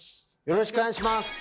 よろしくお願いします。